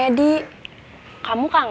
jadi kamu kangen